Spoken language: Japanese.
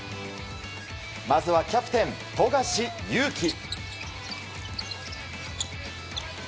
まずはキャプテン富樫勇樹。